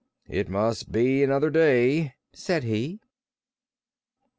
"It must be another day," said he.